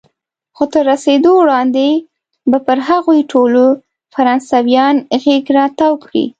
خو تر رسېدو وړاندې به پر هغوی ټولو فرانسویان غېږ را تاو کړي.